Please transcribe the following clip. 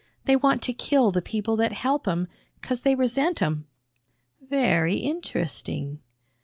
They want to kill th' people that help 'em, 'cause they resent 'em." "Very interesting."